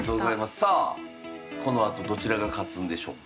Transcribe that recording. さあこのあとどちらが勝つんでしょうか。